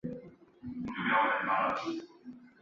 此后他进入哲蚌寺洛色林扎仓学习佛法。